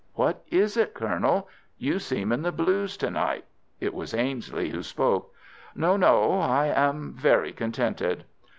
"What is it, Colonel? You seem in the blues to night." It was Ainslie who spoke. "No, no; I am very contented."